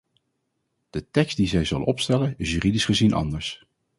De tekst die zij zal opstellen is juridisch gezien anders.